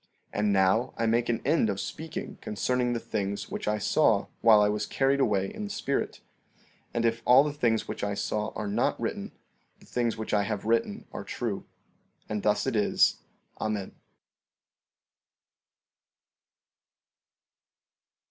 14:30 And now I make an end of speaking concerning the things which I saw while I was carried away in the spirit; and if all the things which I saw are not written, the things which I have written are true. And thus it is. Amen.